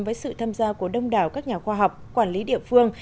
với sự tham gia của đông đảo các nhà khoa học quản lý địa phương